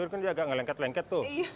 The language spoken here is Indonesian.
itu kan dia agak nggak lengket lengket tuh